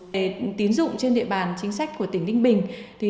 để tín dụng trên địa bàn chính sách của tỉnh đinh bình